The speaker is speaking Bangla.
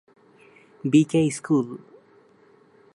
B K school.